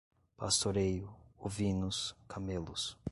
pastoreio, ovinos, camelos